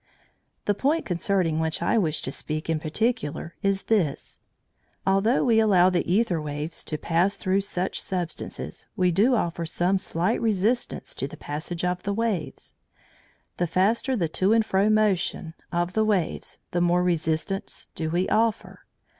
The point concerning which I wish to speak in particular is this. Although we allow the æther waves to pass through such substances, we do offer some slight resistance to the passage of the waves; the faster the to and fro motion of the waves, the more resistance do we offer.